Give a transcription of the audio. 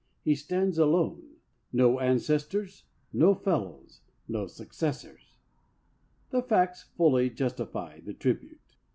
He stands alone — no ancestors — no fellows — no successors." The facts fully justify the tribute.